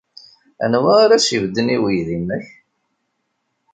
Anwa ara as-ibedden i weydi-nnek?